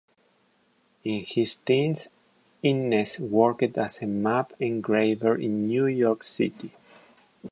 In his teens, Inness worked as a map engraver in New York City.